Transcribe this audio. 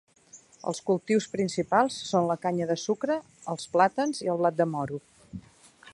Els cultius principals són la canya de sucre, els plàtans i el blat de moro.